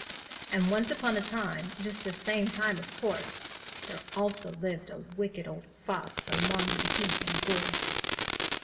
And once upon a time Just the same time, of course, There also lived a Wicked Old Fox Among the heath and gorse.